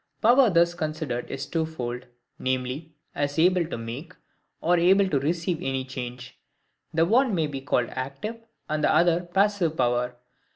Power thus considered is two fold, viz. as able to make, or able to receive any change. The one may be called ACTIVE, and the other PASSIVE power.